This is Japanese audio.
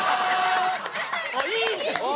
あっいいですね！